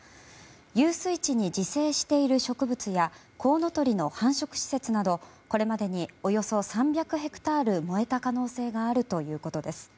遊水地に自生している植物やコウノトリの繁殖施設などこれまでにおよそ３００ヘクタール燃えた可能性があるということです。